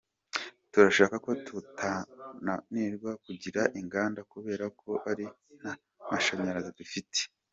Turashaka ko tutananirwa kugira inganda kubera ko ari nta mashanyarazi dufite.